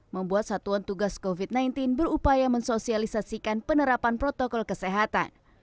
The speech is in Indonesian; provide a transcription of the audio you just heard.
membuat satuan tugas covid sembilan belas berupaya mensosialisasikan penerapan protokol kesehatan